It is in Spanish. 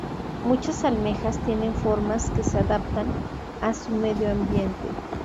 Muchas almejas tienen formas que se adaptan a su medio ambiente.